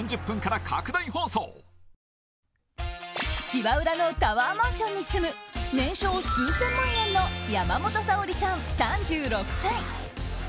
芝浦のタワーマンションに住む年商数千万円の山本早織さん、３６歳。